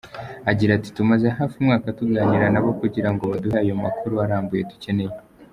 Agira ati “Tumaze hafi umwaka tuganira nabo kugira ngo baduhe ayo makuru arambuye dukeneye….